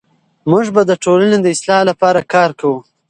موږ به د ټولنې د اصلاح لپاره کار کوو.